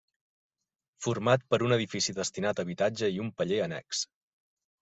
Format per un edifici destinat a habitatge i un paller annex.